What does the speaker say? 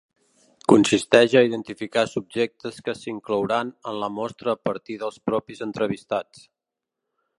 Consisteix a identificar subjectes que s'inclouran en la mostra a partir dels propis entrevistats.